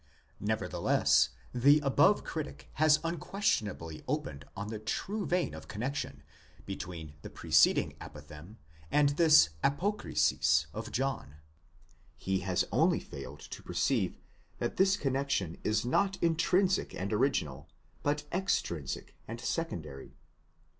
Nevertheless, the above critic has unquestionably opened on the true vein of connexion between the preceding apothegm and this. ἀπόκρισις Of John; he has only failed to perceive that this connexion is not intrinsic and original, but extrinsic and secondary.